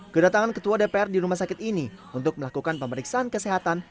kedatangan ketua dpr di rumah sakit ini untuk melakukan pemeriksaan kesehatan